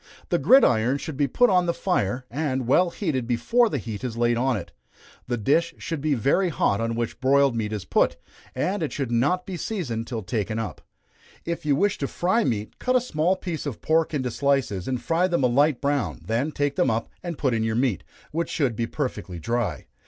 The gridiron should be put on the fire, and well heated before the meat is laid on it. The dish should be very hot on which broiled meat is put, and it should not be seasoned till taken up. If you wish to fry meat, cut a small piece of pork into slices, and fry them a light brown, then take them up and put in your meat, which should be perfectly dry.